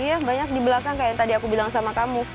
iya banyak di belakang kayak yang tadi aku bilang sama kamu